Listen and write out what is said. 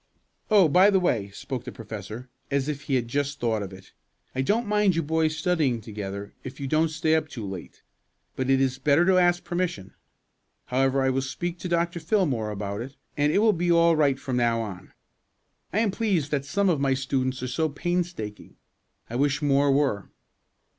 "Oh, by the way," spoke the Professor, as if he had just thought of it: "I don't mind you boys studying together, if you don't stay up too late. But it is better to ask permission. However, I will speak to Dr. Fillmore about it, and it will be all right from now on. I am pleased that some of my students are so painstaking. I wish more were."